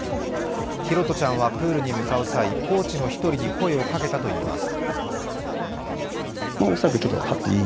拓杜ちゃんはプールに向かう際、コーチの１人に声をかけたといいます